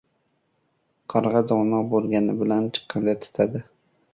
• Qarg‘a dono bo‘lgani bilan chiqindi titadi.